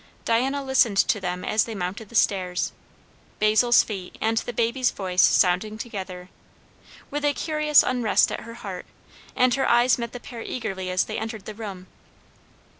Diana listened to them as they mounted the stairs, Basil's feet and the baby's voice sounding together, with a curious unrest at her heart, and her eyes met the pair eagerly as they entered the room.